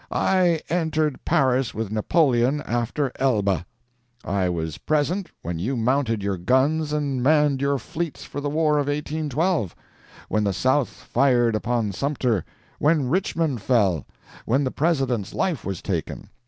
I entered Paris with Napoleon after Elba. I was present when you mounted your guns and manned your fleets for the war of 1812 when the South fired upon Sumter when Richmond fell when the President's life was taken.